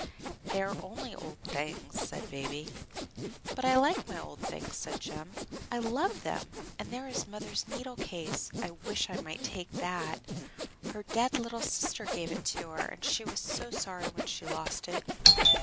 "They are only old things," said Baby. "But I like my old things," said Jem. "I love them. And there is mother's needle case. I wish I might take that. Her dead little sister gave it to her, and she was so sorry when she lost it."